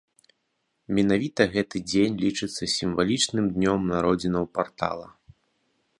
Менавіта гэты дзень лічыцца сімвалічным днём народзінаў партала.